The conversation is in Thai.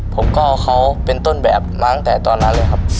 ผมก็เขาเป็นต้นแบบมาตั้งแต่ตอนนั้นเลยครับ